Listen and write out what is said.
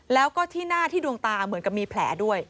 แล้วก็ที่หน้าที่ดวงตาเหมือนกับมีแผลด้วย